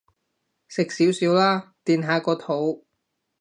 食少少啦，墊下個肚